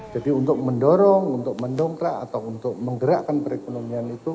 jadi untuk mendorong untuk mendongkrak atau untuk menggerakkan perekonomian itu